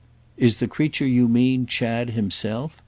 "Is the creature you mean Chad himself?"